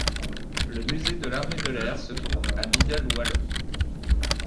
Le Musée de l'Armée de l'air se trouve à Middle Wallop.